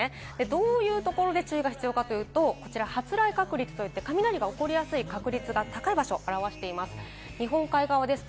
どういうところに注意が必要かというと、こちら発雷確率といって、雷が起こりやすい場所を示しています。